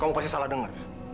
kamu pasti salah dengar